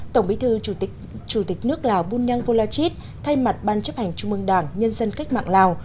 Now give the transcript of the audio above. tổng bí thư chủ tịch nước lào bùn nhân vô la chít thay mặt ban chấp hành chung mương đảng nhân dân cách mạng lào